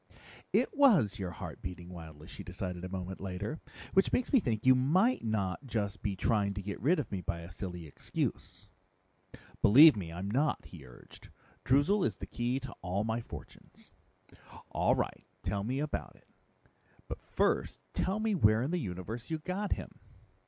"It was your heart beating wildly," she decided a moment later. "Which makes me think you might not just be trying to get rid of me by a silly excuse." "Believe me, I'm not," he urged. "Droozle is the key to all my fortunes." "All right, tell me about it. But first tell me where in the universe you got him."